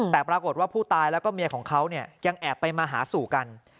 แต่ปรากฏว่าผู้ตายแล้วก็เมียของเขาเนี่ยยังแอบไปมาหาสู่กัน